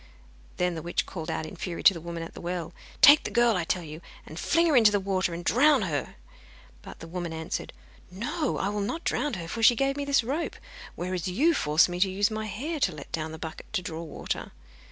Then the witch called out in fury to the woman at the well: 'Take the girl, I tell you, and fling her into the water, and drown her!' But the woman answered: 'No, I will not drown her, for she gave me this rope, whereas you forced me to use my hair to let down the bucket to draw water.